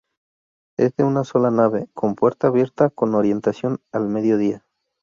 Es de una sola nave, con puerta abierta con orientación al mediodía.